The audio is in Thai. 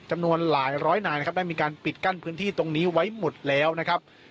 จำนวนหลายร้อยนายนะครับได้มีการปิดกั้นพื้นที่ตรงนี้ไว้หมดแล้วนะครับ